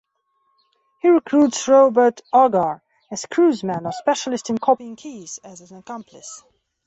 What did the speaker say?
He recruits Robert Agar, a "screwsman" or specialist in copying keys, as an accomplice.